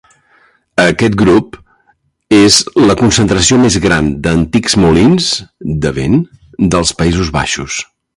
Aquest grup és la concentració més gran d'antics molins de vent dels Països Baixos.